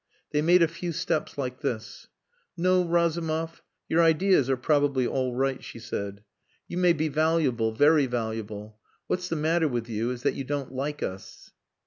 They made a few steps like this. "No, Razumov, your ideas are probably all right," she said. "You may be valuable very valuable. What's the matter with you is that you don't like us."